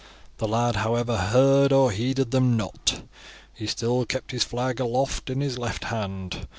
The lad, however, heard or heeded them not. He still kept his flag aloft in his left hand.